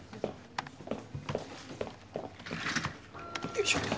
よいしょ。